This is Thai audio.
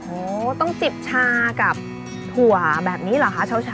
โอ้โหต้องจิบชากับถั่วแบบนี้เหรอคะเช้า